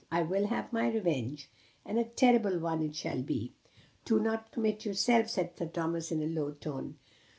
I will have my revenge, and a terrible one it shall be." "Do not commit yourself," said Sir Thomas in a low tone.